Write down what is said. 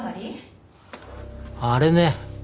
あれね。